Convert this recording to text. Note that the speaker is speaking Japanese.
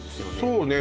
そうね